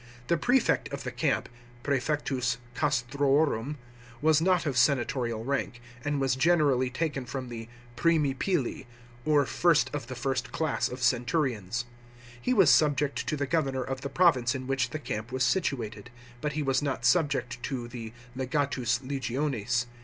The prefect of the camp (preefectus castrorum) was not of senatorial rank, and was generally taken from the primipili, or first of the first class of centurions. He was subject to the governor of the province in which the camp was situated ; but he was not subject to the legatus legionis.